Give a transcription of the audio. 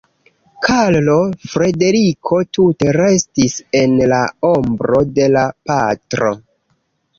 Karlo Frederiko tute restis en la ombro de la patro.